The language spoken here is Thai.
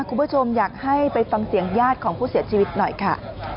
คุณผู้ชมอยากให้ไปฟังเสียงญาติของผู้เสียชีวิตหน่อยค่ะ